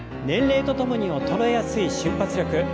年齢とともに衰えやすい瞬発力。